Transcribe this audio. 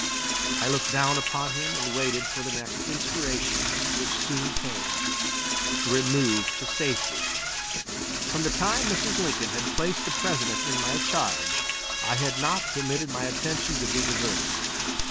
I looked down upon him and waited for the next inspiration, which soon came: "Remove to safety." From the time Mrs. Lincoln had placed the President in my charge, I had not permitted my attention to be diverted.